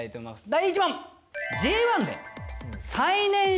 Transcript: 第１問！